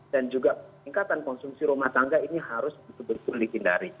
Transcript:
dan juga peningkatan konsumsi rumah tangga ini harus betul betul dihindari